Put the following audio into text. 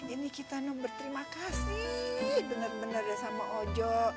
ini kita mau berterima kasih benar benarnya sama ojo